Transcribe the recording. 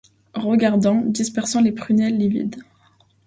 Regardant, dispersant leurs prunelles livides